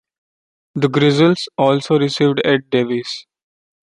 The Grizzlies also received Ed Davis.